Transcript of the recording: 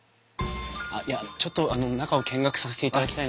あっいやちょっと中を見学させていただきたいなと思って。